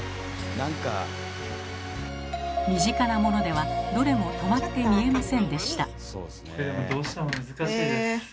身近な物ではどれも止まって見えませんでした。